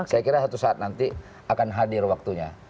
saya kira satu saat nanti akan hadir waktunya